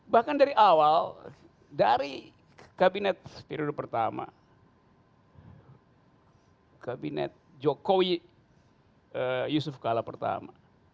bahkan dari awal dari kabinet periode pertama kabinet jokowi yusuf kala pertama